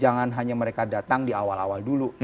jangan hanya mereka datang di awal awal dulu